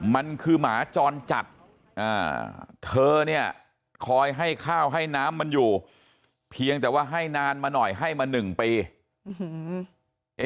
มันคือหมาจรจัดอ่าเธอเนี่ยคอยให้ข้าวให้น้ำมันอยู่เพียงแต่ว่าให้นานมาหน่อยให้มาหนึ่งปีอืม